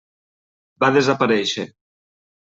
Va desaparèixer.